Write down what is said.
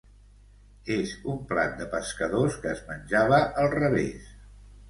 És un plat de pescadors que es menjava al revés